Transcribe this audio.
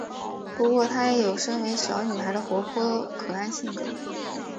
不过她也有身为小女孩的活泼可爱性格。